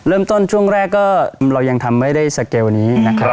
เริ่มต้นช่วงแรกก็เรายังทำไม่ได้สเกลนี้นะครับ